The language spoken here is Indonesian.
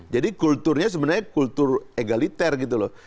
jadi kulturnya sebenarnya kultur egaliter gitu loh